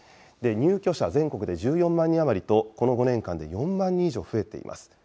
入居者、全国で１４万人余りと、この５年間で４万人以上増えています。